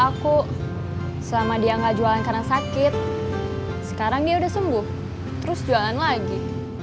aku selama dia nggak jualan karena sakit sekarang dia udah sembuh terus jualan lagi